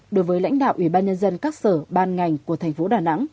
đối với lãnh đạo ủy ban nhân dân các sở ban ngành của thành phố đà nẵng